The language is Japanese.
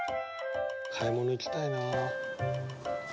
買い物行きたいな。